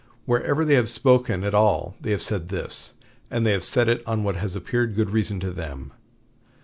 Whenever they have spoken at all they have said this; and they have said it on what has appeared good reason to them.